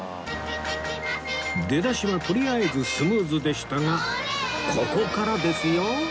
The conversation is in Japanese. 出だしはとりあえずスムーズでしたがここからですよ？